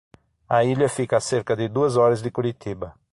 A ilha fica a cerca de duas horas de Curitiba.